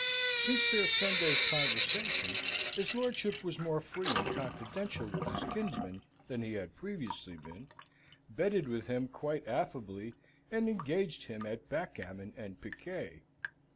Since their Sunday's conversation, his lordship was more free and confidential with his kinsman than he had previously been, betted with him quite affably, and engaged him at backgammon and piquet.